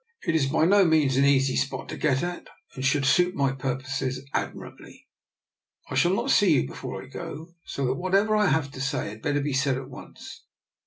It is by no means an easy spot to get at, and should suit my purposes admirably. I shall not see you before I go, so that whatever I have to say had better be said at once.